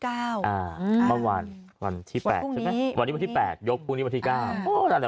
วันที่๘ใช่ไหมวันนี้วันที่๘ยกวันนี้วันที่๙